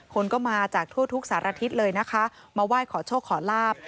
คนก็มาจากทั่วทุกสารทิศเลยนะคะมาไหว้ขอโชคขอลาบ